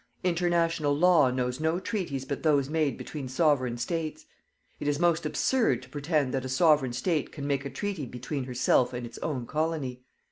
International Law knows no treaties but those made between Sovereign States. It is most absurd to pretend that a Sovereign State can make a treaty between herself and its own colony.